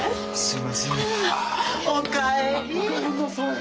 すいません。